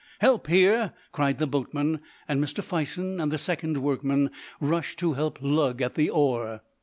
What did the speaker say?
"Help here!" cried the boatman, and Mr. Fison and the second workman rushed to help lug at the oar.